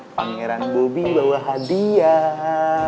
pangeran bobby bawa hadiah